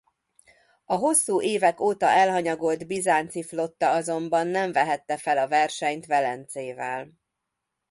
A hosszú évek óta elhanyagolt bizánci flotta azonban nem vehette fel a versenyt Velencével.